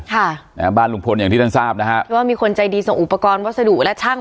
ค่ะนะฮะบ้านลุงพลอย่างที่ท่านทราบนะฮะว่ามีคนใจดีส่งอุปกรณ์วัสดุและช่าง